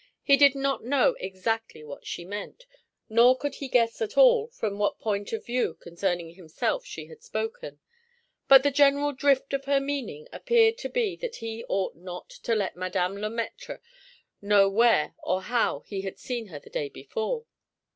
He did not know exactly what she meant, nor could he guess at all from what point of view concerning himself she had spoken; but the general drift of her meaning appeared to be that he ought not to let Madame Le Maître know where and how he had seen her the day before.